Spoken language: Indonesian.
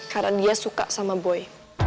karena dia suka sama boy